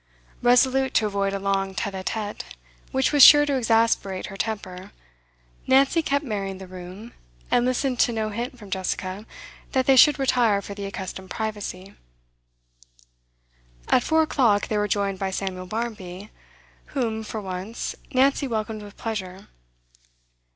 Resolute to avoid a long tete a tete, which was sure to exasperate her temper, Nancy kept Mary in the room, and listened to no hint from Jessica that they should retire for the accustomed privacy. At four o'clock they were joined by Samuel Barmby, whom, for once, Nancy welcomed with pleasure.